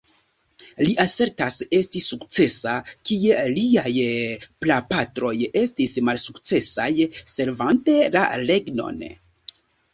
Li asertas esti sukcesa, kie liaj prapatroj estis malsukcesaj, servante la regnon.